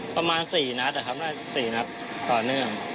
ประมาณ๔นัดอ่ะครับมีช่วง๔นัดต่อเนื่อง